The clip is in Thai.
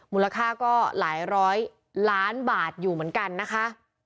มูลค่าก็หลายร้อยล้านบาทอยู่เหมือนกันนะคะ